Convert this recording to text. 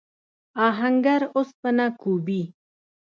آهنګر اوسپنه کوبي.